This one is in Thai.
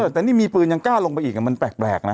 แต่นี่มีปืนยังกล้าลงไปอีกมันแปลกนะ